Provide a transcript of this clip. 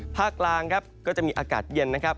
ภาคกลางครับก็จะมีอากาศเย็นนะครับ